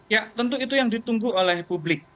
ya tentu itu yang ditunggu oleh publik